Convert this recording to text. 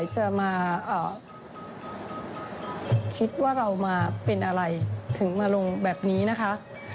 จะมาคิดว่าเรามาเป็นอะไรถึงมาลงแบบนี้นะคะ